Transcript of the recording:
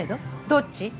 どっち？